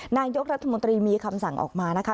นายกรัฐมนตรีมีคำสั่งออกมานะคะ